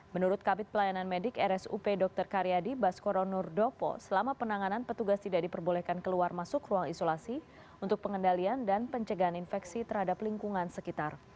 menurut kabit pelayanan medik rsup dr karyadi baskoro nurdopo selama penanganan petugas tidak diperbolehkan keluar masuk ruang isolasi untuk pengendalian dan pencegahan infeksi terhadap lingkungan sekitar